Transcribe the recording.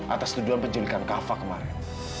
atas tuduhan penjulikan kava kemarin